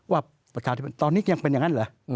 ประชาธิบัติตอนนี้ยังเป็นอย่างนั้นเหรอ